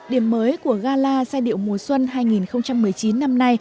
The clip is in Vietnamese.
điểm mới của gala giai điệu mùa xuân hai nghìn một mươi chín năm nay